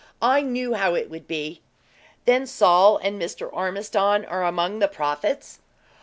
I knew how it would be." "Then Saul and Mr. Ormiston are among the prophets?"